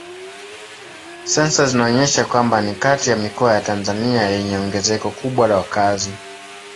Sensa zinaonyesha kwamba ni kati ya mikoa ya Tanzania yenye ongezeko kubwa la wakazi.